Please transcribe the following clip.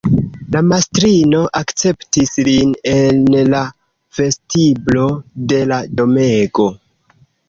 La mastrino akceptis lin en la vestiblo de la domego.